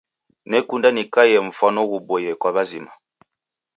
Nekunda nikaiye mfwano ghuboie kwa wazima.